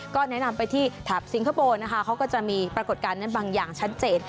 ก็แนะนำไปที่แถบสิงคโปร์นะคะเขาก็จะมีปรากฏการณ์นั้นบางอย่างชัดเจน